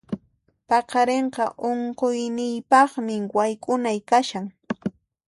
Paqarinqa unquqniypaqmi wayk'unay kashan.